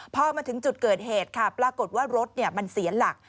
พอมาถึงจุดเกิดเหตุค่ะปรากฏว่ารถมันเสียหลัก